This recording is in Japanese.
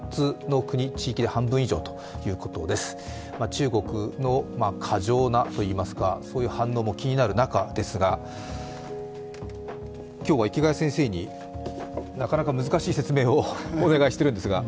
中国の過剰なといいますかそういう反応も気になる中ですが今日は池谷先生になかなか難しい説明をお願いしてるんですが。